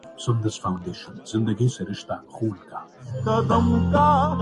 کراچی سے خانپور تک railway track کی بحالی کا منصوبہ مکمل